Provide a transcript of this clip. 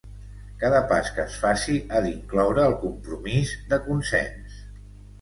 Cada pas que es faci ha d'incloure el compromís de consens.